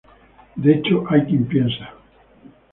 de hecho hay quien piensa